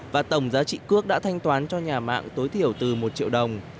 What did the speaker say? và tổng giá trị cước đã thanh toán cho nhà mạng tối thiểu từ một triệu đồng